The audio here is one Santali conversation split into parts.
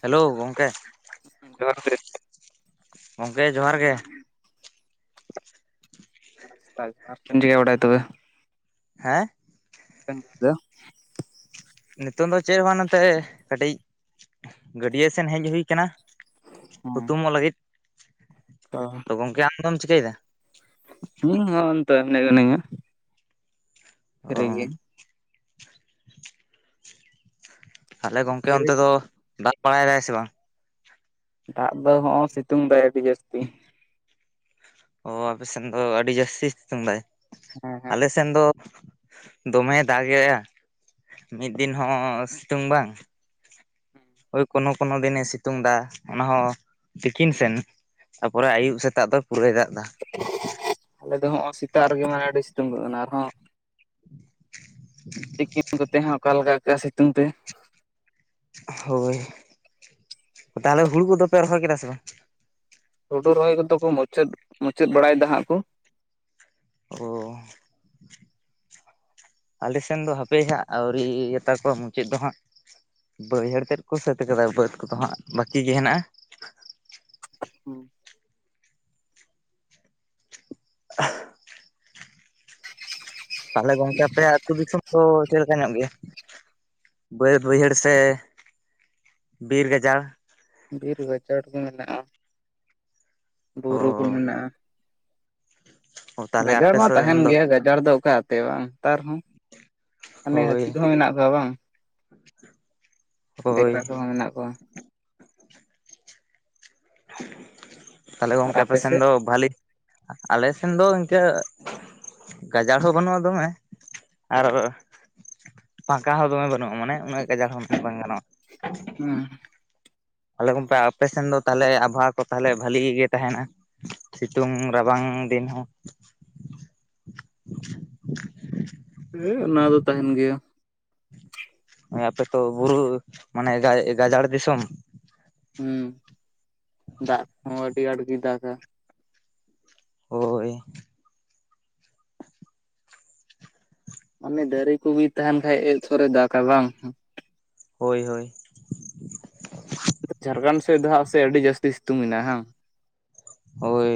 ᱦᱮᱞᱳ ᱜᱚᱝᱠᱮ᱾ ᱡᱚᱦᱟᱨ ᱜᱮ᱾ ᱜᱚᱝᱠᱮ ᱡᱚᱦᱟᱨ ᱜᱮ᱾ [inaudible] [inaudible] ᱪᱮᱫ ᱮᱢ ᱪᱤᱠᱟᱹ ᱵᱟᱲᱟᱭ ᱛᱚᱵᱮ? ᱦᱮᱸ [inaudible] ᱱᱤᱛᱚᱝ ᱫᱚ ᱪᱮᱫ ᱦᱚᱵᱟᱝ ᱱᱚᱛᱮ ᱠᱟᱹᱴᱤᱡ ᱜᱟᱹᱰᱭᱟᱹ ᱥᱮᱱ ᱦᱮᱡ ᱦᱩᱭ ᱠᱟᱱᱟ, ᱦᱩᱛᱩᱢᱚᱜ ᱞᱟᱹᱜᱤᱫ᱾ ᱚ ᱛᱚ ᱜᱚᱝᱠᱮ ᱟᱢᱫᱚᱢ ᱪᱤᱠᱟᱹᱭ ᱮᱫᱟ? ᱤᱧ ᱦᱚᱸ ᱚᱱᱛᱮ᱾ [inaudible] ᱚ ᱨᱮᱜᱮ ᱛᱟᱦᱚᱞᱮ ᱜᱚᱝᱠᱮ ᱚᱱᱛᱮ ᱫᱚ ᱫᱟᱭ ᱵᱟᱲᱟᱭ ᱫᱟᱭ ᱥᱮ ᱵᱟᱝ? ᱫᱟᱜ ᱫᱚ ᱦᱚᱸᱜᱚ ᱥᱤᱛᱩᱝ ᱫᱟᱭ ᱟᱹᱰᱤ ᱡᱟᱹᱥᱛᱤ᱾ ᱚ ᱟᱯᱮ ᱥᱮᱱ ᱫᱚ ᱟᱹᱰᱤ ᱡᱟᱹᱥᱛᱤ ᱥᱤᱛᱩᱝ ᱫᱟᱭ ᱟᱞᱮᱥᱮᱫ? ᱦᱮᱸ ᱦᱮᱸ ᱟᱞᱮ ᱥᱮᱱ ᱫᱚ ᱫᱚᱢᱮᱭ ᱫᱟᱜᱮᱜᱼᱟ ᱢᱤᱫ ᱫᱤᱱ ᱦᱚᱸ ᱥᱤᱛᱩᱝ ᱵᱟᱝ ᱳᱭ ᱠᱳᱱᱳ ᱠᱳᱱᱳ ᱫᱤᱱᱮ ᱥᱤᱛᱩᱝ ᱫᱟ ᱚᱱᱟ ᱦᱚᱸ ᱛᱤᱠᱤᱱ ᱥᱮᱱ᱾ ᱛᱟᱯᱚᱨᱮ ᱟᱭᱩᱵ ᱥᱮᱛᱟᱜ ᱫᱚ ᱯᱩᱨᱟᱹᱭ ᱫᱟᱜ ᱫᱟ᱾ ᱟᱞᱮ ᱫᱚ ᱦᱚᱸᱜᱼᱚᱭ ᱥᱮᱛᱟᱜ ᱨᱮᱜᱮ ᱢᱟᱱᱮ ᱟᱹᱰᱤ ᱥᱤᱛᱩᱝ ᱠᱟᱜ ᱠᱟᱱᱟ ᱟᱨᱦᱚᱸ ᱛᱤᱠᱤᱱ ᱠᱚᱛᱮ ᱦᱟᱜ ᱚᱠᱟᱞᱮᱠᱟ ᱠᱟᱜᱼᱟ ᱥᱤᱛᱩᱝ ᱛᱮ ᱦᱳᱭ ᱛᱟᱦᱚᱞᱮ ᱦᱩᱲᱩ ᱠᱚᱫᱚ ᱯᱮ ᱨᱚᱦᱚᱭ ᱠᱮᱫᱟ ᱥᱮ ᱵᱟᱝ? ᱦᱩᱲᱩ ᱨᱚᱦᱚᱭ ᱠᱚᱫᱚ ᱠᱚ ᱢᱩᱪᱟᱹᱫ ᱢᱩᱪᱟᱹᱫ ᱵᱟᱲᱟᱭ ᱫᱟ ᱦᱟᱸᱜ ᱠᱩ᱾ ᱚ ᱟᱞᱮᱥᱱ ᱫᱚ ᱦᱟᱯᱮ ᱦᱟᱸᱜ ᱟᱹᱣᱨᱤ ᱟᱛᱟ ᱠᱚᱣᱟ ᱢᱩᱪᱟᱹᱫ ᱫᱚ ᱦᱟᱸᱜ᱾ ᱵᱟᱹᱭᱦᱟᱹᱲ ᱛᱮᱫ ᱠᱚ ᱥᱟᱹᱛ ᱠᱚᱫᱚ ᱵᱟᱹᱫ ᱠᱚᱫᱚ ᱦᱟᱸᱜ ᱵᱟᱹᱠᱤ ᱜᱮ ᱦᱮᱱᱟᱜᱼᱟ᱾ ᱦᱩᱸ᱾ [unintelligible] ᱛᱟᱦᱚᱞᱮ ᱜᱚᱝᱠᱮ ᱟᱯᱮᱭᱟ ᱟᱹᱛᱩ ᱫᱤᱥᱚᱢ ᱫᱚ ᱪᱮᱫ ᱞᱮᱠᱟ ᱧᱚᱜ ᱜᱮᱭᱟ? ᱵᱟᱹᱫᱽ ᱵᱟᱹᱭᱦᱟᱹᱲ ᱥᱮ ᱵᱤᱨ ᱜᱟᱡᱟᱲ? ᱵᱤᱨ ᱜᱟᱡᱟᱲ ᱜᱮ ᱢᱮᱱᱟᱜᱼᱟ ᱵᱩᱨᱩ ᱠᱚ ᱚ ᱢᱮᱱᱟᱜᱼᱟ᱾ ᱛᱟᱦᱚᱞᱮ ᱜᱟᱡᱟᱲ ᱟᱯᱮ ᱢᱟ ᱛᱟᱦᱮᱱ ᱥᱮᱱ ᱫᱚ ᱜᱮᱭᱟ ᱜᱟᱡᱟᱲ ᱫᱚ ᱚᱠᱟᱛᱮ ᱵᱟᱝ ᱱᱮᱛᱟᱨ ᱦᱚᱸ ᱢᱟᱱᱮ ᱦᱟᱹᱛᱤ ᱦᱳᱭ ᱠᱚᱦᱚᱸ ᱢᱮᱱᱟᱜ ᱠᱚᱣᱟ ᱵᱟᱝ? [inaudible] ᱦᱳᱭ [unintelligible] ᱢᱮᱱᱟᱜ ᱠᱚᱣᱟ᱾ ᱛᱟᱦᱞᱮ ᱟᱨ ᱜᱚᱝᱠᱮ ᱟᱯᱮ ᱥᱮᱱ ᱥᱮᱫ? ᱫᱚ ᱵᱷᱟᱹᱞᱤ ᱟᱞᱮ ᱥᱮᱱ ᱫᱚ ᱤᱱᱠᱟᱹ ᱜᱟᱡᱟᱲ ᱦᱚᱸ ᱵᱟᱹᱱᱩᱜᱼᱟ ᱫᱚᱢᱮ ᱟᱨ ᱯᱷᱟᱠᱟ ᱦᱚᱸ ᱫᱚᱢᱮ ᱵᱟᱹᱱᱩᱜᱼᱟ ᱢᱟᱱᱮ ᱩᱱᱟᱹᱜ ᱜᱟᱡᱟᱲ ᱦᱚᱸ ᱢᱮᱱ ᱵᱟᱝ ᱜᱟᱱᱚᱜᱼᱟ᱾ ᱦᱩᱸ᱾ ᱛᱟᱦᱞᱮ ᱜᱚᱝᱠᱮ ᱚᱯᱮᱥᱮᱱ ᱫᱚ ᱛᱟᱦᱚᱞᱮ ᱟᱵᱚᱦᱟᱣᱟ ᱠᱚ ᱛᱟᱦᱚᱞᱮ ᱵᱷᱟᱞᱤ ᱜᱮ ᱛᱟᱦᱮᱱᱟ? ᱥᱤᱛᱩᱝ ᱨᱟᱵᱟᱝ ᱫᱤᱱ ᱦᱚᱸ᱾ ᱦᱮᱸ ᱚᱱᱟ ᱫᱚ ᱛᱟᱦᱮᱱ ᱜᱮᱭᱟ᱾ ᱦᱮ ᱟᱯᱮ ᱛᱚ ᱵᱩᱨᱩ ᱢᱟᱱᱮ ᱡᱟᱭ ᱜᱟᱡᱟᱲ ᱫᱤᱥᱚᱢ᱾ ᱦᱩᱸ ᱫᱟᱜ ᱠᱚ ᱦᱚᱸ ᱟᱹᱰᱤ ᱟᱸᱴ ᱜᱮᱭ ᱫᱟᱜᱟ᱾ ᱦᱳᱭ᱾ ᱢᱟᱱᱮ ᱫᱟᱨᱮ ᱠᱚᱜᱮ ᱛᱟᱦᱮᱱ ᱠᱷᱟᱡ [inaudible] ᱫᱟᱜᱟ ᱵᱟᱝ? ᱦᱳᱭ ᱦᱳᱭ᱾ ᱡᱷᱟᱨᱜᱨᱟᱢ ᱥᱮᱫ ᱫᱚ ᱦᱟᱜ ᱥᱮ ᱟᱹᱰᱤ ᱡᱟᱹᱥᱛᱤ ᱥᱤᱛᱩᱝ ᱢᱮᱱᱟᱜᱼᱟ ᱦᱮ ᱦᱟᱝ? ᱦᱳᱭ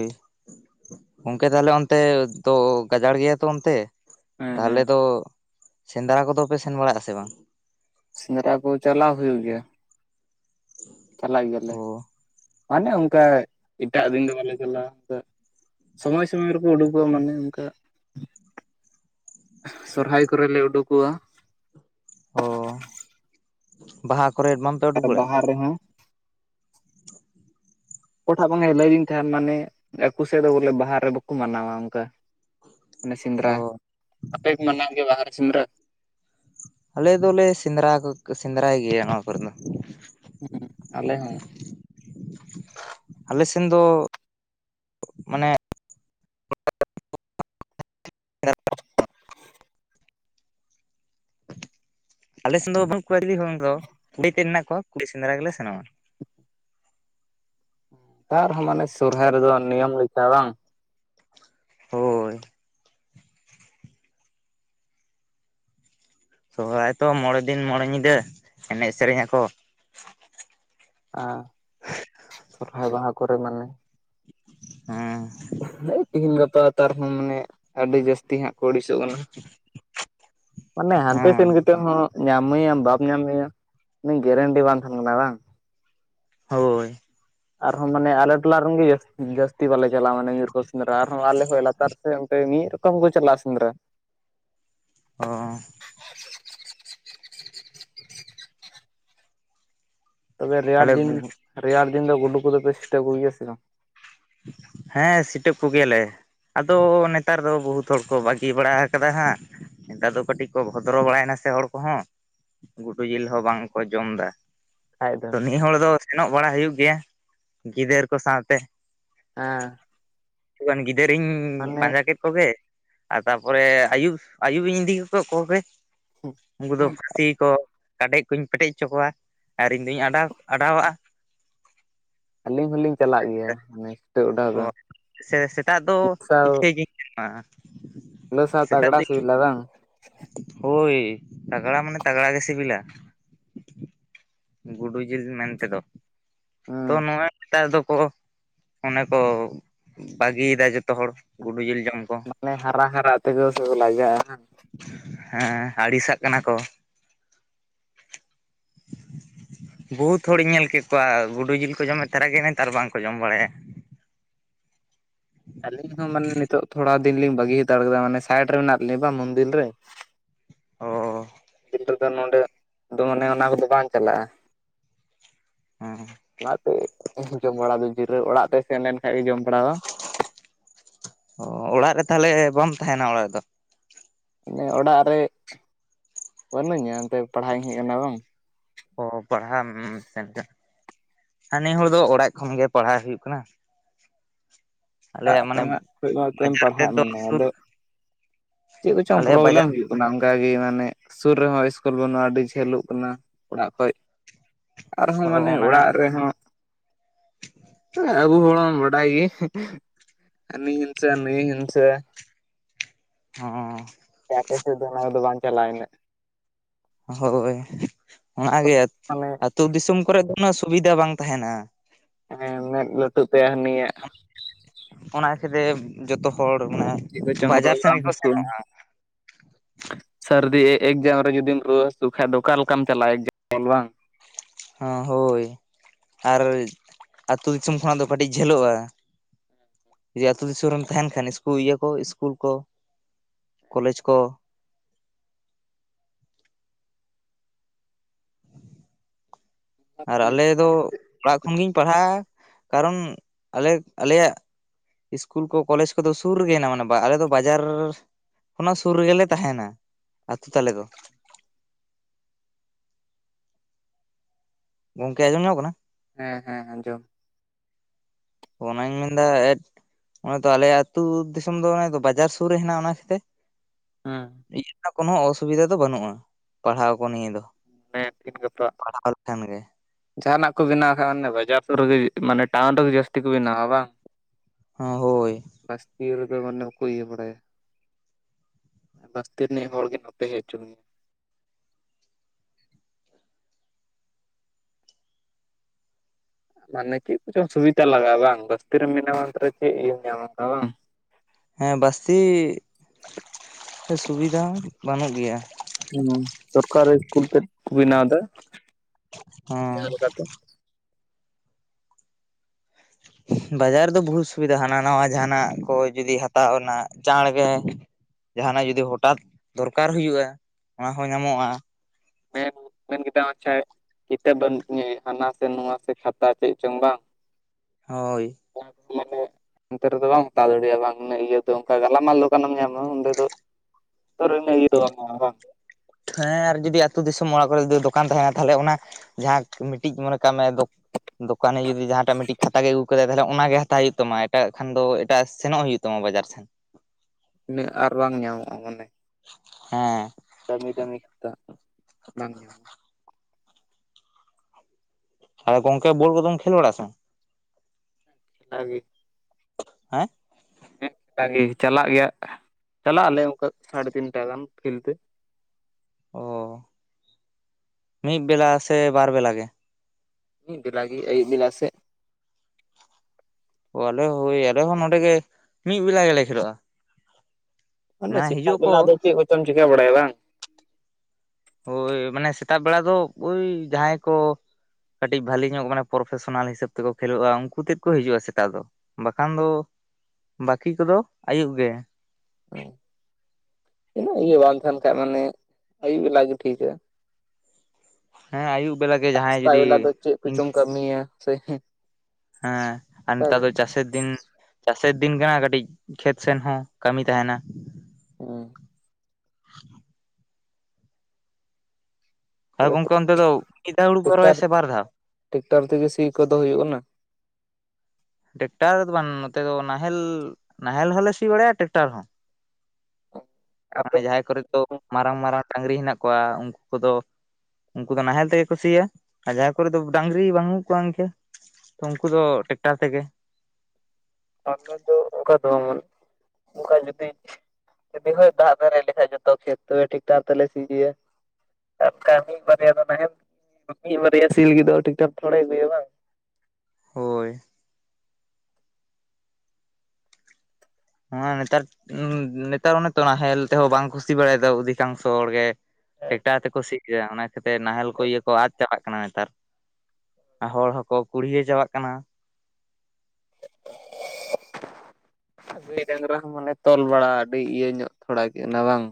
ᱜᱚᱝᱠᱮ ᱛᱟᱦᱞᱮ ᱚᱱᱛᱮ ᱫᱚ ᱜᱟᱡᱟᱲ ᱜᱮᱭᱟ ᱛᱚ ᱚᱱᱛᱮ ᱦᱮᱸ ᱦᱮᱸ ᱛᱟᱦᱚᱞᱮ ᱫᱚ ᱥᱮᱸᱫᱽᱨᱟ ᱠᱚᱫᱚᱯᱮ ᱥᱮᱱ ᱵᱟᱲᱟᱜ ᱟᱥᱮ ᱵᱟᱝ? ᱥᱮᱸᱫᱽᱨᱟ ᱠᱚ ᱪᱟᱞᱟᱣ ᱦᱩᱭᱩᱜ ᱜᱮᱭᱟ᱾ ᱪᱟᱞᱟᱜ ᱜᱮᱭᱟᱞᱮ ᱚ ᱢᱟᱱᱮ ᱚᱱᱠᱟ ᱮᱴᱟᱜ ᱫᱤᱱ ᱫᱚ ᱵᱟᱞᱮ ᱪᱟᱞᱟᱜᱼᱟ᱾ ᱥᱚᱢᱚᱭ ᱥᱚᱢᱚᱭ ᱨᱮᱠᱚ ᱩᱰᱩᱠᱚᱜᱼᱟ ᱢᱟᱱᱮ ᱚᱱᱠᱟ ᱥᱚᱨᱦᱟᱭ ᱠᱚᱨᱮᱞᱮ ᱩᱰᱩᱠᱚᱜᱼᱟ᱾ ᱚ ᱵᱟᱦᱟ ᱠᱚᱨᱮ ᱵᱟᱝ? ᱟᱨ ᱵᱟᱦᱟ ᱨᱮᱦᱚᱸ᱾ ᱚᱠᱚᱴᱟᱜ ᱵᱟᱝ ᱮ ᱞᱟᱹᱭᱫᱤᱧ ᱛᱟᱦᱮᱱ ᱢᱟᱱᱮ ᱟᱠᱚ ᱥᱮᱫ ᱫᱚ ᱵᱚᱞᱮ ᱵᱟᱦᱟ ᱨᱮ ᱵᱟᱠᱚ ᱢᱟᱱᱟᱣᱟ ᱚᱱᱠᱟ᱾ ᱢᱟᱱᱮ ᱚ ᱥᱮᱸᱫᱽᱨᱟ ᱟᱯᱮ ᱢᱟᱱᱟᱣ ᱜᱮᱭᱟ ᱵᱟᱦᱟᱨᱮ ᱥᱮᱸᱫᱽᱨᱟᱹ? ᱟᱞᱮ ᱫᱚᱞᱮ ᱥᱮᱸᱫᱽᱨᱟ ᱠᱚ ᱥᱮᱸᱫᱽᱨᱟᱭ ᱜᱮᱭᱟ ᱱᱚᱣᱟ ᱠᱚᱨᱮ ᱫᱚ᱾ ᱟᱞᱮ ᱦᱚᱸ ᱟᱞᱮ ᱥᱮᱱ ᱫᱚ ᱢᱟᱱᱮᱼᱼ [unintelligible] ᱟᱞᱮᱥᱮᱱ ᱫᱚ ᱵᱟᱱᱩᱜ ᱠᱚᱣᱟ ᱪᱤᱞᱤ ᱦᱚᱸ ᱚᱝᱠᱟ ᱫᱚ ᱠᱩᱲᱟᱹᱭ ᱛᱮᱫ ᱦᱮᱱᱟᱜ ᱠᱚᱣᱟ ᱠᱩᱲᱤ ᱥᱮᱸᱫᱽᱨᱟ ᱜᱮᱞᱮ ᱥᱮᱱᱚᱜᱼᱟ᱾ ᱛᱟᱣ ᱟᱮᱦᱚᱸ ᱢᱟᱱᱮ ᱥᱚᱨᱦᱟᱭ ᱨᱮᱫᱚ ᱱᱤᱭᱚᱢ ᱞᱮᱠᱟ ᱵᱟᱝ᱾ ᱦᱳᱭ ᱥᱚᱦᱨᱟᱭ ᱛᱚ ᱢᱚᱬᱮ ᱫᱤᱱ ᱢᱚᱬᱮ ᱧᱤᱫᱟᱹ ᱮᱱᱮᱡ ᱥᱮᱨᱮᱧᱟᱠᱚᱼᱼ ᱟᱨ ᱥᱚᱨᱦᱟᱭ ᱵᱟᱦᱟ ᱠᱚᱨᱮ ᱢᱟᱱᱮᱼᱼ ᱦᱩᱸ ᱛᱤᱦᱤᱧ ᱜᱟᱯᱟ ᱛᱟᱨᱦᱚᱸ ᱢᱟᱱᱮ ᱟᱰᱤ ᱡᱟᱹᱥᱛᱤ ᱦᱟᱸᱜ ᱠᱚ ᱟᱲᱤᱥᱚᱜ ᱠᱟᱱᱟ ᱢᱚᱱᱮ ᱦᱟᱱᱛᱮᱥᱮᱱ ᱦᱳᱭ ᱠᱟᱛᱮᱫ ᱦᱚᱸᱼᱼ ᱧᱟᱢᱮᱭᱟᱢ ᱵᱟᱢ ᱧᱟᱢᱮᱭᱟ ᱩᱱᱤ ᱜᱮᱨᱮᱱᱴᱤ ᱵᱟᱝ ᱛᱟᱦᱮᱱ ᱠᱟᱱᱟ ᱵᱟᱝ᱾ ᱦᱳᱭ ᱟᱨᱦᱚᱸ ᱢᱟᱱᱮ ᱟᱞᱮ ᱴᱚᱞᱟ ᱨᱮᱱ ᱡᱟᱸᱥ ᱡᱟᱹᱥᱛᱤ ᱢᱟᱱᱮ ᱧᱩᱨ ᱠᱚ ᱥᱮᱸᱫᱽᱨᱟ ᱟᱨᱦᱚᱸ ᱟᱞᱮ ᱠᱷᱚᱡ ᱞᱟᱛᱟᱨ ᱥᱮᱫ ᱚᱱᱛᱮ ᱢᱤᱫ ᱨᱚᱠᱚᱢᱼᱼ ᱠᱚᱢ ᱠᱚ ᱪᱟᱞᱟᱜᱼᱟ ᱥᱮᱸᱫᱽᱨᱟ ᱚ ᱛᱚᱵᱮ ᱨᱮᱭᱟᱲ ᱛᱟᱦᱚᱞᱮ ᱫᱤᱱ ᱨᱮᱭᱟᱲ ᱫᱤᱱ ᱫᱚ ᱜᱩᱰᱩ ᱠᱚᱫᱚᱯᱮ ᱥᱤᱴᱟᱹᱣ ᱠᱚᱜᱮᱭᱟ ᱥᱮ ᱵᱟᱝ? ᱦᱮᱸ ᱥᱤᱴᱟᱹᱵᱽ ᱠᱚᱜᱮᱭᱟᱞᱮ ᱟᱫᱚ ᱱᱮᱛᱟᱨ ᱫᱚ ᱵᱚᱦᱩᱛ ᱦᱚᱲ ᱠᱚ ᱵᱟᱹᱜᱤ ᱵᱟᱲᱟᱣ ᱠᱟᱫᱟ ᱦᱟᱸᱜ᱾ ᱱᱮᱛᱟᱨ ᱫᱚ ᱠᱟᱹᱴᱤᱡ ᱠᱚ ᱵᱷᱚᱫᱨᱚ ᱵᱟᱲᱟᱭᱱᱟ ᱥᱮ ᱦᱚᱲ ᱠᱚᱦᱚᱸ ᱜᱩᱴᱩ ᱡᱤᱞ ᱦᱚᱸ ᱵᱟᱝᱠᱚ ᱡᱚᱢ ᱫᱟ ᱠᱷᱟᱡ ᱫᱚ ᱛᱚ ᱱᱮ ᱦᱚᱲ ᱫᱚ ᱥᱮᱱᱚᱜ ᱵᱟᱲᱟ ᱦᱩᱭᱩᱜ ᱜᱤᱫᱟᱹᱨ ᱠᱚ ᱥᱟᱶᱛᱮ ᱟᱸ ᱠᱤᱪᱷᱩᱜᱟᱱ ᱜᱤᱫᱟᱹᱨᱤᱧ ᱯᱟᱸᱡᱟ ᱠᱮᱫᱼᱼ ᱠᱚᱜᱮ ᱟᱨ ᱛᱟᱯᱚᱨᱮ ᱟᱹᱭᱩᱵ ᱟᱹᱭᱩᱵ ᱤᱧ ᱤᱫᱤ ᱦᱚᱜᱴᱚ ᱠᱚ ᱜᱮ ᱩᱱᱠᱩ ᱫᱚ ᱯᱷᱟᱹᱥᱤ ᱠᱚᱼᱼ ᱠᱟᱰᱮᱡ ᱠᱩᱧ ᱯᱮᱴᱮᱡ ᱪᱚ ᱠᱚᱣᱟ ᱟᱨ ᱤᱧᱫᱩᱧ ᱟᱰᱟᱣ ᱟᱰᱟᱣᱟᱜᱼᱟ ᱟᱹᱞᱤᱧ ᱦᱚᱞᱤᱧ ᱪᱟᱞᱟᱜ ᱜᱮᱭᱟ ᱢᱟᱱᱮ ᱥᱤᱴᱟᱹ ᱚᱰᱟᱣ ᱫᱚ ᱥᱮ ᱥᱮᱛᱟᱜ ᱫᱚ ᱩᱞᱟᱹ ᱤᱠᱷᱟᱹᱭ ᱜᱤᱧ ᱮᱢᱟᱜᱼᱟ ᱦᱮᱞᱳ ᱥᱟᱛ ᱥᱮᱛᱟᱜ ᱛᱟᱜᱽᱲᱟ ᱫᱚ ᱥᱩᱭᱞᱟ [inaudible] ᱵᱟᱝ ᱦᱳᱭ ᱛᱟᱜᱽᱲᱟ ᱢᱟᱱᱮ ᱛᱟᱜᱽᱲᱟ ᱜᱮ ᱥᱤᱵᱤᱞᱟ ᱜᱩᱰᱩ ᱡᱤᱞ ᱢᱮᱱᱛᱮᱫᱚ ᱦᱩᱸ ᱛᱚ ᱱᱚᱣᱟ ᱱᱮᱛᱟᱨ ᱫᱚᱠᱚ ᱚᱱᱮ ᱠᱚᱼᱼ ᱵᱟᱹᱜᱤᱭᱫᱟ ᱡᱚᱛᱚᱦᱚᱲ ᱜᱩᱰᱩ ᱡᱤᱞ ᱡᱚᱢ ᱠᱚ ᱢᱟᱱᱮ ᱦᱟᱨᱟ ᱦᱟᱨᱟ ᱛᱮᱫᱚ ᱥᱤᱵᱤᱞᱟ ᱡᱟ ᱼᱼ ᱦᱮᱸ ᱟᱲᱤᱥᱟᱜ ᱠᱟᱱᱟ ᱠᱚ ᱵᱩᱦᱩᱛ ᱦᱚᱲᱤᱧ ᱧᱮᱞ ᱠᱮᱫ ᱠᱣᱟ ᱜᱩᱰᱩ ᱡᱤᱞ ᱠᱚ ᱡᱚᱢᱮᱫ ᱛᱟᱨᱟᱜᱮ ᱱᱮᱛᱟᱨ ᱵᱟᱝᱠᱚ ᱡᱚᱢ ᱵᱟᱲᱟᱭᱟ᱾ ᱟᱹᱞᱤᱧ ᱦᱚᱸ ᱢᱟᱱᱮ ᱱᱤᱛᱚᱜ ᱛᱷᱚᱲᱟ ᱫᱤᱱ ᱞᱤᱧ ᱵᱟᱹᱜᱤ ᱦᱟᱛᱟᱲ ᱠᱮᱫᱟ ᱢᱟᱱᱮ ᱥᱟᱭᱤᱰ ᱨᱮ ᱢᱮᱱᱟᱜ ᱞᱤᱧᱟ ᱵᱟ ᱢᱚᱱᱫᱤᱞ ᱨᱮ᱾ ᱚ ᱤᱱᱴᱚᱨ ᱫ ᱱᱚᱰᱮ ᱫᱚ ᱢᱟᱱᱮ ᱚᱱᱟ ᱠᱚᱫᱚ ᱵᱟᱝ ᱪᱟᱞᱟᱜ-ᱟ᱾ ᱚᱸ ᱚᱱᱟᱛᱮ ᱡᱚᱢ ᱵᱟᱲᱟ ᱫᱚ ᱡᱤᱨᱟᱹᱣ ᱚᱲᱟᱜ ᱛᱮ ᱥᱮᱱ ᱞᱮᱱ ᱠᱷᱟᱱᱡ ᱜᱮ ᱡᱚᱢ ᱵᱟᱲᱟᱣᱟ᱾ ᱚ ᱚᱲᱟᱜ ᱨᱮ ᱛᱟᱦᱚᱞᱮ, ᱵᱟᱢ ᱛᱟᱦᱮᱱᱟ ᱚᱲᱟᱜ ᱨᱮᱫᱚ? ᱮ ᱚᱲᱟᱜ ᱨᱮ ᱵᱟᱹᱱᱩᱧᱟ, ᱱᱛᱮ ᱯᱟᱲᱦᱟᱜ ᱤᱧ ᱦᱮᱡ ᱠᱟᱱᱟ ᱵᱟᱝ? ᱚ ᱯᱟᱲᱦᱟᱣ ᱮᱢ ᱥᱮᱱ ᱠᱟᱱᱟ᱾ ᱦᱟᱸ ᱱᱮ ᱦᱚᱲ ᱫᱚ ᱚᱲᱟᱜ ᱠᱷᱚᱱ ᱜᱮ ᱯᱟᱲᱦᱟᱜ ᱦᱩᱭᱩᱜ ᱠᱟᱱᱟ᱾ ᱚᱲᱟᱜ ᱟᱞᱮᱭᱟᱜ ᱢᱟᱱᱮ ᱨᱮᱢᱟ ᱠᱷᱚᱡ ᱛᱮᱢ ᱵᱟᱡᱟᱨ ᱛᱮᱫ ᱯᱟᱲᱦᱟᱜ ᱫᱚ ᱢᱟᱱᱮ ᱥᱩᱨ ᱟᱫᱚ ᱪᱮᱫ ᱠᱚᱪᱚᱝ ᱟᱞᱮᱭᱟᱜ ᱯᱨᱚᱵᱞᱮᱢ ᱵᱟᱡᱟᱨ ᱦᱩᱭᱩᱜ ᱚᱱᱟ ᱚᱱᱠᱟᱜᱮ ᱢᱟᱱᱮ ᱥᱩᱨ ᱨᱮᱦᱚᱸ ᱤᱥᱠᱩᱞ ᱵᱟᱹᱱᱩᱜᱼᱟ, ᱟᱹᱰᱤ ᱡᱷᱟᱹᱞᱚᱜ ᱠᱟᱱᱟ ᱚᱲᱟᱜ ᱠᱷᱚᱡ᱾ ᱟᱨᱦᱚᱸ ᱢᱟᱱᱮ ᱚᱱᱟ ᱚᱲᱟᱜ ᱨᱮᱦᱚᱸ ᱟᱵᱩ ᱦᱚᱲ ᱢᱟᱵᱩᱱ ᱵᱟᱰᱟᱭ ᱜᱤ ᱦᱟᱱᱤ ᱦᱤᱱᱥᱟᱹ ᱱᱟᱹᱭ ᱦᱤᱱᱥᱟᱹ᱾ ᱦᱚᱸ᱾ ᱥᱮ ᱟᱯᱮ ᱥᱮᱫ ᱫᱚ ᱚᱱᱟ ᱠᱚᱫᱚ ᱵᱟᱝ ᱪᱟᱞᱟᱜ-ᱟ, ᱤᱱᱟᱹᱜ ᱦᱳᱭ ᱚᱱᱟᱜᱮ ᱢᱟᱱᱮ ᱟᱛᱳ ᱫᱤᱥᱚᱢ ᱠᱚᱨᱮ ᱫᱚ ᱩᱱᱟᱹᱜ ᱥᱩᱵᱤᱫᱟ ᱵᱟᱝ ᱛᱟᱦᱮᱱᱟ᱾ ᱦᱮᱸ, ᱢᱮᱸᱫ ᱞᱟᱹᱴᱩᱜ ᱛᱟᱭᱟ ᱦᱟᱹᱱᱤᱭᱟᱜ᱾ ᱚᱱᱟ ᱤᱠᱟᱹᱛᱮ ᱡᱚᱛᱚ ᱦᱚᱲ ᱢᱟᱱᱮ ᱪᱮᱫ ᱠᱚᱪᱚᱝ ᱵᱟᱡᱟᱨ ᱨᱳᱜ ᱥᱮᱱ ᱟᱢ ᱜᱮᱠᱚ ᱦᱟᱥᱩ ᱥᱮᱱᱚᱜᱼᱟ ᱥᱟᱹᱨᱫᱤ ᱮ ᱮ ᱮᱠᱡᱟᱢ ᱨᱮ ᱡᱩᱫᱤᱢ ᱨᱩᱣᱟᱹ ᱦᱟᱹᱥᱩ ᱠᱷᱟᱡ ᱫᱚ ᱚᱠᱟ ᱞᱮᱠᱟᱢ ᱪᱟᱞᱟᱜᱼᱟ ᱮᱠᱡᱟᱢ ᱚᱞ ᱵᱟᱝ ᱦᱮᱸ ᱦᱳᱭ ᱟᱨ ᱟᱛᱩ ᱫᱤᱥᱚᱢ ᱠᱷᱚᱱᱟᱜ ᱫᱚ ᱠᱟᱹᱴᱤᱡ ᱡᱷᱟᱹᱞᱚᱜᱼᱟ᱾ ᱡᱩᱫᱤ ᱟᱛᱩ ᱫᱤᱥᱚᱢ ᱨᱮᱢ ᱛᱟᱦᱮᱱ ᱠᱷᱟᱱ ᱩᱥᱠᱩ ᱤᱭᱟᱹ ᱠᱚ ᱤᱥᱠᱩᱞ ᱠᱚ ᱠᱚᱞᱮᱡᱽ ᱠᱚ᱾ ᱟᱨ ᱟᱞᱮ ᱫᱚ ᱚᱲᱟᱜ ᱠᱷᱚᱱ ᱜᱤᱧ ᱯᱟᱲᱦᱟᱜᱼᱟ, ᱠᱟᱨᱚᱱ ᱟᱞᱮ ᱟᱞᱮᱭᱟᱜ ᱤᱥᱠᱩᱞ ᱠᱚ ᱠᱚᱞᱮᱡᱽ ᱠᱚᱫᱚ ᱥᱩᱨ ᱨᱮᱜᱮ ᱦᱮᱱᱟᱜ ᱢᱟᱱᱮ ᱟᱞᱮ ᱫᱚ ᱵᱟᱡᱟᱨ ᱚᱱᱟ ᱥᱩᱨ ᱨᱮᱜᱮᱞᱮ ᱛᱟᱦᱮᱱᱟ, ᱟᱛᱩ ᱛᱟᱞᱮ ᱫᱚ᱾ ᱜᱚᱝᱠᱮ, ᱟᱸᱡᱚᱢ ᱧᱚᱢᱚᱜ ᱠᱟᱱᱟ? ᱦᱮᱸ ᱦᱮᱸ ᱟᱸᱡᱚᱢ᱾ ᱟᱱᱟᱧ ᱢᱮᱱ ᱫᱟ ᱮᱸ ᱚᱱᱮ ᱫᱚ ᱟᱞᱮᱭᱟᱜ ᱟᱹᱛᱩ ᱫᱤᱥᱚᱢ ᱫᱚ ᱚᱱᱮ ᱫᱚ ᱵᱟᱡᱟᱨ ᱥᱩᱨ ᱨᱮ ᱦᱮᱱᱟᱜ ᱚᱱᱟ ᱠᱷᱛᱤᱨ ᱛᱮ ᱦᱩᱸ᱾ ᱤᱭᱟᱹ ᱨᱮᱱᱟᱜ ᱠᱳᱱᱚ ᱚᱥᱩᱵᱤᱫᱷᱟ ᱫᱚ ᱵᱟᱹᱱᱩᱜᱼᱟ, ᱯᱟᱲᱦᱟᱣ ᱠᱚ ᱱᱤᱭᱟᱹ ᱫᱚ᱾ ᱦᱮᱸ [unintelligible] ᱜᱟᱯᱟ ᱯᱟᱲᱦᱟᱣ ᱞᱮᱠᱷᱟᱱ ᱜᱮ᱾ ᱡᱟᱦᱟᱱᱟᱜ ᱠᱚ ᱵᱮᱱᱟᱣ ᱠᱷᱟᱱ, ᱚᱱᱮ ᱵᱟᱡᱟᱨ ᱥᱩᱨ ᱨᱮᱜᱮ ᱢᱟᱱᱮ ᱴᱟᱣᱩᱱ ᱨᱮᱜᱮ ᱡᱟᱹᱥᱛᱤ ᱠᱚ ᱵᱮᱱᱟᱣᱟ ᱵᱟᱝ? ᱦᱚᱸ ᱦᱳ ᱵᱟᱥᱛᱤ ᱨᱮᱫᱚ ᱢᱟᱱᱮ ᱵᱟᱠᱚ ᱤᱭᱟᱹ ᱵᱟᱲᱟᱭᱟ᱾ ᱵᱟᱥᱛᱤ ᱨᱤᱱᱤᱡ ᱦᱚᱲ ᱜᱮ ᱱᱚᱛᱮ ᱦᱮᱡ ᱪᱚ ᱱᱤᱡ ᱢᱟᱱᱮ ᱪᱮᱜ ᱠᱚᱪᱚᱝ ᱥᱩᱵᱤᱫᱷᱟ ᱞᱟᱜᱟᱣ ᱵᱟᱝ ᱵᱟᱹᱥᱛᱤ ᱨᱮ ᱢᱤᱱᱟ ᱢᱟ ᱚᱱᱛᱮᱨᱮ ᱪᱮᱫ ᱤᱭᱟᱹᱢ ᱧᱟᱢᱟ ᱵᱟᱝ? ᱦᱮᱸ ᱵᱟᱹᱥᱛᱤ ᱨᱮ ᱥᱩᱵᱤᱫᱷᱟ ᱵᱟᱹᱱᱩᱜ ᱜᱤᱭᱟ᱾ ᱦᱮ ᱥᱚᱨᱠᱟᱨᱤ ᱤᱥᱠᱩᱞ ᱛᱮᱫ ᱠᱚ ᱵᱮᱱᱟᱣ ᱫᱟ᱾ ᱦᱮᱸ᱾ ᱵᱟᱡᱟᱨ ᱫᱚ ᱵᱚᱦᱩᱛ ᱥᱩᱵᱤᱫᱷᱟ ᱦᱟᱱᱟ ᱱᱟᱣᱟ ᱡᱟᱦᱟᱱᱟᱜ ᱠᱚ ᱡᱩᱫᱤ ᱦᱟᱛᱟᱣ ᱨᱮᱱᱟᱜ, ᱪᱟᱬᱜᱮ ᱡᱟᱦᱟᱱᱟᱜ ᱡᱩᱫᱤ ᱦᱚᱴᱟᱛ ᱫᱚᱨᱠᱟᱨ ᱦᱩᱭᱩᱜᱼᱟ, ᱚᱱᱟ ᱦᱚᱸ ᱧᱟᱢᱚᱜᱼᱟ᱾ [unintelligible] ᱢᱮᱱ ᱠᱤᱫᱟ [unintelligible] ᱠᱤᱛᱟᱹᱵ ᱵᱟᱹᱱᱩᱜ ᱛᱤᱧᱟᱹ, ᱦᱟᱱᱟ ᱥᱮ ᱱᱚᱣᱟ ᱥᱮ ᱠᱷᱟᱛᱟ ᱪᱮᱫ ᱪᱚᱝ ᱵᱟᱝ? ᱦᱳᱭ᱾ [inaudible] ᱚᱱᱛᱮ ᱨᱮᱫᱚ ᱵᱟᱢ ᱦᱟᱛᱟᱣ ᱫᱟᱲᱤᱭᱟᱜᱼᱟ ᱵᱟᱝ ᱤᱭᱟᱹ ᱫᱚ ᱚᱱᱠᱟ ᱜᱟᱞᱟᱜ ᱢᱟᱞ ᱫᱚᱠᱟᱱᱮᱢ ᱧᱟᱢᱟ ᱚᱸᱰᱮ ᱫᱚ ᱛᱚ ᱨᱮᱱᱟᱜ ᱤᱭᱟ ᱫᱚ ᱵᱟᱝ ᱜᱟᱱᱚᱜ-ᱟ, ᱵᱟᱝ? ᱦᱮᱸ ᱟᱨ ᱡᱩᱫᱤ ᱟᱹᱛᱩ ᱫᱤᱥᱚᱢ ᱚᱲᱟᱜ ᱠᱚᱨᱮ ᱡᱩᱫᱤ ᱫᱚᱠᱟᱱ ᱛᱟᱦᱮᱱᱟ ᱛᱟᱦᱚᱞᱮ ᱚᱱᱟ ᱡᱟᱦᱟᱸ ᱢᱤᱫᱴᱤᱡ ᱢᱚᱱᱮ ᱠᱟᱜ ᱢᱮ ᱫᱚᱠᱟᱱᱮ ᱡᱩᱫᱤ ᱡᱟᱦᱟᱸᱴᱟᱜ ᱢᱤᱫᱴᱤᱡ ᱠᱷᱟᱛᱟ ᱜᱮᱭ ᱟᱹᱜᱩ ᱠᱮᱫᱟᱭ ᱛᱟᱦᱚᱞᱮ ᱚᱱᱟᱜᱮ ᱦᱟᱛᱟᱣ ᱦᱩᱭᱩᱜ ᱛᱟᱢᱟ ᱮᱴᱟ-ᱟᱜ ᱠᱷᱟᱱ ᱫᱚ ᱮᱴᱟᱜ ᱥᱮᱱᱚᱜ ᱦᱩᱭᱩᱜ ᱛᱟᱢᱟ ᱵᱟᱡᱟᱨ ᱥᱮᱱ᱾ ᱛᱤᱱᱟᱹᱜ ᱟᱨ ᱵᱟᱝ ᱧᱟᱢᱚᱜᱼᱟ ᱢᱟᱱᱮ᱾ ᱦᱮᱸ᱾ ᱫᱟᱹᱢᱤ ᱫᱟᱹᱢᱤ ᱠᱷᱟᱛᱟ ᱵᱟᱝ ᱧᱟᱢᱚᱜ᱾ ᱛᱟᱦᱞᱮ ᱜᱚᱝᱠᱮ ᱵᱚᱞ ᱠᱚ ᱫᱚᱢ ᱠᱷᱮᱞ ᱵᱟᱲᱟᱭᱟ ᱥᱮ ᱵᱟᱝ? ᱠᱷᱮᱞᱟ ᱜᱮ᱾ ᱦᱮᱸ? ᱪᱟᱞᱟᱜ ᱜᱮ, ᱪᱟᱞᱟᱜ ᱜᱮᱭᱟ ᱪᱟᱞᱟᱜ ᱟᱞᱮ ᱚᱱᱠᱟ ᱥᱟᱲᱮ ᱛᱤᱱᱴᱟ ᱜᱟᱱ ᱯᱷᱤᱞ ᱛᱮ᱾ ᱚ, ᱢᱤᱫ ᱵᱮᱞᱟ ᱥᱮ ᱵᱟᱨ ᱵᱮᱞᱟ ᱜᱮ? ᱢᱤᱫ ᱵᱮᱞᱟ ᱜᱮ ᱟᱹᱭᱩᱵ ᱵᱮᱞᱟ ᱥᱮᱫ᱾ ᱚ ᱟᱞᱮ ᱦᱚᱸ ᱦᱳᱭ ᱟᱞᱮᱦᱚᱸ ᱱᱚᱰᱮᱸ ᱜᱮ ᱢᱤᱫ ᱵᱮᱞᱟ ᱜᱮᱞᱮ ᱠᱷᱮᱞᱳᱜᱼᱟ᱾ ᱢᱟᱱᱮ ᱚᱱᱟ ᱥᱮᱛᱟᱜ ᱦᱤᱡᱩᱜ ᱟᱠᱚ ᱵᱮᱞᱟ ᱫᱚ ᱪᱮᱫ ᱠᱚᱪᱚᱢ ᱪᱤᱠᱟᱹ ᱵᱟᱲᱟᱭᱟ ᱵᱟᱝ? ᱦᱳᱭ ᱢᱟᱱᱮ ᱥᱮᱛᱟᱜ ᱵᱮᱲᱟ ᱫᱚ ᱳᱭ ᱡᱟᱦᱟᱸᱭ ᱠᱚ ᱠᱟᱹᱴᱤᱡ ᱵᱷᱟᱞᱤ ᱧᱚᱜ ᱠᱟ. ᱴᱤᱡ ᱢᱟᱱᱮᱯᱨᱚᱯᱷᱮᱥᱚᱱᱟᱞ ᱦᱤᱥᱟᱹᱵ ᱛᱮᱠᱚ ᱠᱷᱮᱞᱳᱜᱼᱟ ᱩᱱᱠᱩ ᱛᱮᱫ ᱠᱚ ᱦᱤᱡᱩᱜᱼᱟ ᱥᱮᱛᱟᱜ ᱫᱚ᱾ ᱵᱟᱠᱷᱟᱱ ᱫᱚ ᱵᱟᱹᱠᱤ ᱠᱚᱫᱚ ᱟᱭᱩᱵ ᱜᱮ᱾ ᱦᱮᱸ᱾ ᱤᱱᱟᱹᱜ ᱤᱭᱟᱹ ᱵᱟᱝ ᱛᱟᱦᱮᱱ ᱠᱷᱟᱱ ᱢᱟᱱᱮ ᱟ. ᱭᱩᱵ ᱵᱮᱞᱟ ᱜᱮ ᱴᱷᱤᱠᱟ᱾ ᱦᱮᱸ ᱟᱭᱩᱵ ᱵᱮᱞᱟ ᱜᱮ ᱡᱟᱦᱟᱸᱭ ᱡᱩᱫ ᱥᱮᱛᱟᱜ ᱵᱮᱞᱟ ᱫᱚ ᱪᱮᱫ ᱤᱧ ᱠᱚᱪᱚᱢ ᱠᱟᱹᱢᱤᱭᱟ ᱥᱮ ᱦᱮᱸ ᱦᱮᱸ ᱟᱨ ᱱᱮᱛᱟᱨ ᱫᱚ ᱪᱟᱥᱮᱨ ᱫᱤᱱ, ᱪᱟᱥᱮᱨ ᱫᱤᱱ ᱠᱟᱱᱟ ᱠᱟᱹᱴᱤᱡ ᱠᱷᱮᱛ ᱥᱮᱱ ᱦᱚᱸ ᱠᱟᱹᱢᱤ ᱛᱟᱦᱮᱱᱟ᱾ ᱦᱩᱸ᱾ ᱦᱮᱸ ᱛᱚᱵᱮ ᱜᱚᱝᱠᱮ ᱚᱱᱛᱮ ᱫᱚ ᱢᱤᱫᱤᱫᱷᱟᱣ ᱦᱩᱲᱩ ᱠᱚ ᱴᱮᱠᱴᱟᱨ ᱨᱚᱦᱭᱟ ᱥᱮ ᱵᱟᱨ ᱫᱷᱟᱣ? ᱴᱮᱠᱴᱟᱨ ᱛᱮᱜᱮ ᱥᱤ ᱠᱚᱫᱚ ᱦᱩᱭᱩᱜ ᱠᱟᱱᱟ᱾ ᱴᱮᱠᱴᱟᱨ ᱫᱚ ᱵᱟᱝ ᱱᱚᱛᱮ ᱫᱚ ᱱᱟᱦᱮᱞ ᱱᱟᱦᱮᱞ ᱦᱚᱸᱞᱮ ᱥᱤ ᱵᱟᱲᱟᱭᱟ ᱴᱮᱠᱴᱟᱨ ᱦᱚᱸ᱾ ᱟᱯᱮ ᱢᱟᱱᱮ ᱡᱟᱦᱟᱸᱭ ᱠᱚᱨᱮᱱ ᱫᱚ ᱢᱟᱨᱟᱝ ᱢᱟᱨᱟᱜ ᱰᱟᱝᱨᱤ ᱦᱮᱱᱟᱜ ᱠᱚᱣᱟ ᱩᱱᱠᱩ ᱠᱚᱫᱚ ᱩᱱᱠᱩ ᱫᱚ ᱱᱟᱦᱮᱞ ᱛᱮᱜᱮ ᱠᱚ ᱥᱤᱭᱟ ᱟᱨ ᱡᱟᱦᱟᱸ ᱠᱚᱨᱮ ᱫᱚ ᱰᱟᱝᱨᱤ ᱵᱟᱹᱱᱩᱜ ᱠᱚᱣᱟ ᱤᱱᱠᱟᱹ ᱩᱱᱠᱩ ᱫᱚ ᱴᱮᱠᱴᱟᱨ ᱛᱮᱜᱮ᱾ ᱟᱞᱮ ᱫᱚ ᱚᱱᱠᱟ ᱫᱚ ᱵᱟᱝ ᱢᱮᱱᱮ ᱚᱱᱠᱟ ᱡᱩᱫᱤ ᱡᱩᱫᱤ ᱦᱳᱭ ᱫᱟᱜ ᱫᱟᱭ ᱟᱨ ᱮᱸᱰᱮᱠᱷᱟᱡ ᱡᱚᱛᱚ ᱠᱷᱮᱛ ᱛᱚᱵᱮ ᱴᱮᱠᱴᱟᱨ ᱛᱮᱞᱮ ᱥᱤ ᱜᱮᱭᱟ᱾ ᱟᱨ ᱵᱟᱠᱷᱟᱱ ᱢᱤᱫ ᱵᱟᱨᱭᱟ ᱫᱚ ᱱᱟᱦᱮᱞ ᱢᱤᱫ ᱵᱟᱨᱭᱟ ᱥᱤ ᱞᱟᱹᱜᱤᱫ ᱫᱚ ᱴᱮᱠᱴᱟᱨ ᱛᱷᱚᱲᱮ ᱟᱹᱜᱩᱭᱟ ᱵᱟᱝ᱾ ᱦᱳᱭ᱾ ᱦᱚᱸᱜ-ᱚᱭ ᱱᱮᱛᱟᱨ ᱱᱮᱛᱟᱨ ᱚᱱᱮᱛᱚ ᱱᱟᱦᱮᱞ ᱛᱮᱦᱚᱸ ᱵᱟᱝ ᱠᱚ ᱥᱤ ᱵᱟᱲᱟᱭᱫᱟ ᱚᱫᱷᱤᱠᱟᱝᱥᱚ ᱦᱚᱲ ᱜᱮ᱾ ᱴᱮᱠᱴᱟᱨ ᱛᱮᱠᱚ ᱥᱤ ᱜᱮᱭᱟ ᱚᱱᱟ ᱠᱷᱟᱹᱛᱤᱨ ᱱᱟᱦᱮᱞ ᱠᱚ ᱤᱭᱟᱹ ᱠᱚ ᱟᱫᱽ ᱪᱟᱞᱟᱜ ᱠᱟᱱᱟ᱾ ᱟᱱᱟ ᱱᱮᱛᱟᱨ ᱦᱚᱲ ᱦᱚᱸᱠᱚ ᱠᱩᱲᱤᱭᱟᱹ ᱪᱟᱵᱟᱜ ᱠᱟᱱᱟ᱾ ᱜᱟᱹᱭ ᱰᱟᱝᱨᱟ ᱦᱚᱸ ᱢᱟᱱᱮ ᱛᱚᱞ ᱵᱟᱲᱟ ᱟᱹᱰᱤ ᱤᱭᱟᱹ ᱧᱚᱜ ᱛᱷᱚᱲᱟ ᱟᱹᱭᱠᱟᱹᱜ ᱠᱟᱱᱟ ᱵᱟᱝ?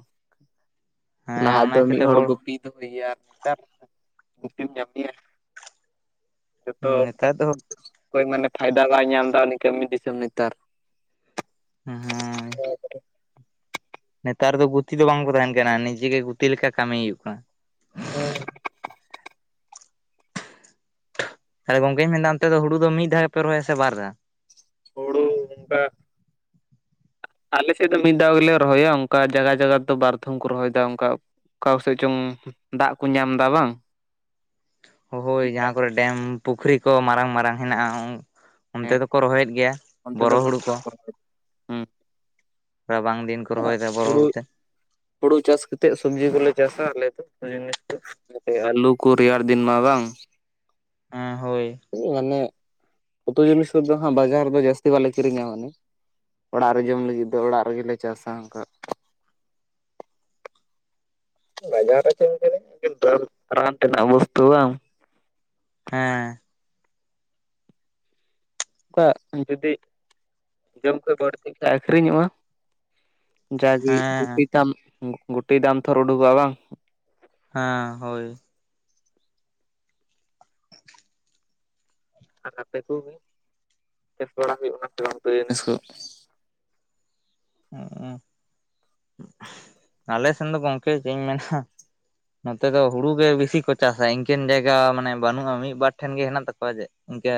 ᱦᱮᱸ ᱞᱟᱦᱟ ᱚᱱᱟ ᱫᱚ ᱢᱤᱫ ᱠᱷᱟᱹᱛᱤᱨ ᱦᱚᱲ ᱜᱩᱯᱤ ᱫᱚᱦᱚᱭᱮᱭᱟ ᱟᱨ ᱱᱮᱛᱟᱨ ᱜᱤᱛᱤᱢ ᱧᱟᱢᱮᱭᱟ ᱡᱚᱛᱚ ᱱᱮᱛᱟᱨ ᱫᱚ ᱦᱳᱭ [inaudible] ᱚᱠᱚᱭ ᱢᱟᱱᱮ ᱯᱷᱟᱭᱫᱟ ᱵᱟᱭ ᱧᱟᱢᱫᱟ ᱩᱱᱤ ᱠᱟᱹᱢᱤ ᱫᱤᱥᱚᱢ ᱱᱮᱛᱟᱨ᱾ ᱦᱩᱸ ᱦᱩᱸ᱾ ᱱᱚᱭᱟᱠᱚᱨᱮ, ᱱᱮᱛᱟᱨ ᱫᱚ ᱜᱩᱛᱤ ᱫᱚ ᱵᱟᱝᱠᱚ ᱛᱟᱦᱮᱱ ᱠᱟᱱᱟ ᱱᱤᱡᱮ ᱜᱮ ᱜᱩᱛᱤ ᱞᱮᱠᱟ ᱠᱟᱹᱢᱤ ᱦᱩᱭᱩᱜ ᱠᱟᱱᱟ᱾ ᱦᱮᱸ᱾ ᱛᱟᱦᱚᱞᱮ ᱜᱚᱝᱠᱮᱧ ᱢᱮᱱᱫᱟ ᱚᱱᱛᱮ ᱫᱚ ᱦᱩᱲᱩ ᱫᱚ ᱢᱤᱫ ᱫᱷᱟᱣ ᱜᱮ ᱯᱮ ᱨᱚᱦᱭᱟ ᱥᱮ ᱵᱟᱨ ᱫᱷᱟᱣ? ᱦᱩᱲᱩ ᱚᱱᱠᱟ ᱟᱞᱮᱥᱮᱫ ᱫᱚ ᱢᱤᱫ ᱫᱷᱟᱣ ᱜᱮᱞᱮ ᱨᱚᱦᱚᱭᱟ, ᱚᱝᱠᱟ ᱡᱟᱜᱟ ᱡᱟᱜᱟ ᱫᱚ ᱵᱟᱨᱫᱷᱚᱢ ᱠᱚ ᱨᱚᱦᱚᱭ ᱫᱟ ᱚᱝᱠᱟ ᱚᱠᱟ ᱠᱚ ᱥᱮᱡ ᱪᱚᱝ ᱫᱟᱜ ᱠᱚ ᱧᱟᱢ ᱫᱟ ᱵᱟᱝ? ᱦᱳᱭ ᱡᱟᱦᱟᱸ ᱠᱚᱨᱮᱜ ᱰᱮᱢ ᱯᱩᱠᱷᱨᱤ ᱠᱚ ᱢᱟᱨᱟᱝ ᱢᱟᱨᱟᱝ ᱦᱮᱱᱟᱜᱼᱟ ᱚᱱᱛᱮ ᱦᱮᱸ ᱫᱚᱠᱚ ᱨᱚᱦᱚᱭᱮᱫ ᱜᱮᱭᱟ ᱚᱱᱛᱮ ᱵᱚᱨᱚ ᱫᱚ ᱵᱟᱝ ᱦᱩᱲᱩ ᱠᱚ᱾ ᱫᱟᱜ ᱨᱚᱦᱚᱭ ᱮᱫᱟ᱾ ᱨᱟᱵᱟᱝ ᱫᱤᱱ ᱠᱚ ᱨᱚᱦᱚᱭᱮᱫᱟ ᱵᱚᱨᱚ ᱦᱩᱲᱩ, ᱛᱮ ᱦᱩᱲᱩ ᱪᱟᱥ ᱠᱟᱛᱮᱫ ᱥᱚᱵᱽᱡᱤ ᱠᱚᱞᱮ ᱪᱟᱥᱟ ᱟᱞᱮ ᱫᱚ ᱡᱤᱱᱤᱥ ᱨᱮᱫᱚ᱾ ᱟᱞᱩ ᱠᱚ ᱨᱮᱭᱟᱲ ᱫᱤᱱ ᱢᱟ ᱵᱟᱝ? ᱦᱮᱸ ᱦᱳᱭ ᱾ ᱢᱟᱱᱮ ᱩᱛᱩ ᱡᱤᱱᱤᱥ ᱠᱚᱫᱚ ᱦᱟᱸᱜ ᱵᱟᱡᱟᱨ ᱨᱮᱫᱚ ᱡᱟᱹᱥᱛᱤ ᱵᱟᱞᱮ ᱠᱤᱨᱤᱧᱟ ᱢᱟᱱᱮ ᱾ ᱚᱲᱟᱜ ᱨᱮ ᱡᱚᱢ ᱞᱟᱜᱤᱫ ᱫᱚ ᱚᱲᱟᱜ ᱨᱮᱜᱮᱞᱮ ᱪᱟᱥᱟ ᱚᱝᱠᱟ᱾ ᱵᱟᱡᱟᱨ ᱨᱮ ᱪᱮᱫ ᱮᱢ ᱠᱤᱨᱤᱧᱟ, ᱮᱠᱷᱮᱱ ᱫᱟᱹᱞ ᱨᱟᱱ ᱛᱮ ᱨᱮᱱᱟᱜ ᱵᱚᱥᱛᱩ ᱵᱟᱝ? ᱦᱮᱸ ᱾ ᱠᱟ ᱡᱩᱫᱤ ᱡᱚᱢ ᱠᱷᱚᱡ ᱵᱟᱹᱲᱛᱤ ᱠᱷᱟᱡ ᱟᱹᱠᱷᱨᱤᱧᱚᱜᱼᱟ᱾ ᱡᱟᱜᱮ ᱜᱮ ᱦᱮᱸ ᱜᱩᱴᱤ ᱛᱟᱢ ᱜᱩᱴᱤ ᱫᱟᱢ ᱛᱷᱚᱨ ᱩᱰᱩᱠᱚᱜᱼᱟ ᱵᱟᱝ? ᱦᱮᱸ, ᱦᱳᱭ ᱾ ᱟᱨ ᱟᱯᱮ ᱠᱚᱜᱮ, ᱪᱟᱥ ᱵᱟᱲᱟ ᱦᱩᱭᱩᱜᱼᱟ ᱥᱮ ᱵᱟᱝ ᱩᱛᱩ ᱡᱤᱱᱤᱥ ᱠᱚ? ᱦᱩᱸ, ᱟᱞᱮ ᱥᱮᱱ ᱫᱚ ᱜᱚᱝᱠᱮ ᱪᱮᱫ ᱤᱧ ᱢᱮᱱᱟ? ᱱᱚᱛᱮ ᱫᱚ ᱦᱩᱲᱩ ᱜᱮ ᱵᱤᱥᱤ ᱠᱚ ᱪᱟᱥᱟ ᱤᱝᱠᱟᱹᱱ ᱡᱟᱭᱜᱟ ᱢᱟᱱᱮ ᱵᱟᱹᱱᱩᱜᱼᱟ ᱢᱤᱫ ᱵᱟᱨ ᱴᱷᱮᱱ ᱜᱮ ᱦᱮᱱᱟᱜ ᱛᱟᱠᱚᱣᱟ ᱡᱮ ᱤᱝᱠᱟᱹ